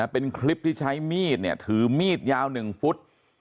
เป็นคลิปที่ใช้มีดถือมีดยาว๑ฟุต